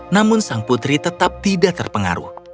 namun sang putri tetap tidak terpengaruh